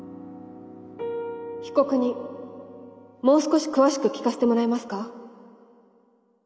被告人もう少し詳しく聞かせてもらえますか？